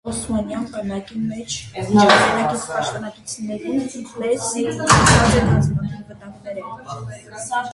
Օսմանեան բանակին մէջ, իր հայրենակից պաշտօնակիցներուն պէս, անցած է բազմաթիւ վտանգներէ։